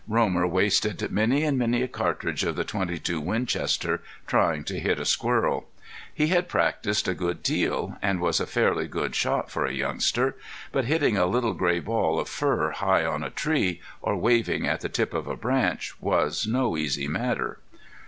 Romer wasted many and many a cartridge of the .22 Winchester trying to hit a squirrel. He had practiced a good deal, and was a fairly good shot for a youngster, but hitting a little gray ball of fur high on a tree, or waving at the tip of a branch, was no easy matter.